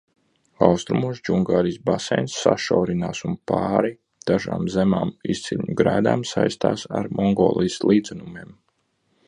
Austrumos Džungārijas baseins sašaurinās un pāri dažām zemām izciļņu grēdām saistās ar Mongolijas līdzenumiem.